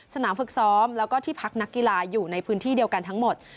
สนามฝึกซ้อมแล้วก็ที่พักนักกีฬาอยู่ในพื้นที่เดียวกันทั้งหมด